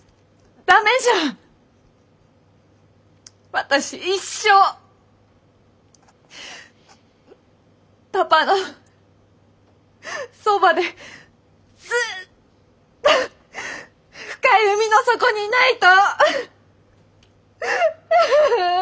私一生パパのそばでずっと深い海の底にいないと。